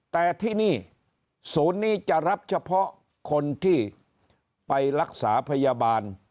แต่ที่นี่ศูนย์นี้จะรับเฉพาะคนที่ไปรักษาพยาบาล